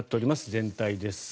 全体です。